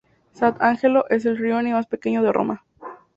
Sant'Angelo es el "rione" más pequeño de Roma.